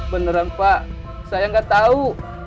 beneran pak saya nggak tahu